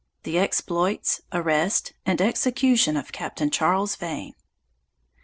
THE EXPLOITS, ARREST, AND EXECUTION OF CAPTAIN CHARLES VANE.